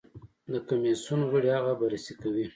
د کمېسیون غړي هغه بررسي کوي.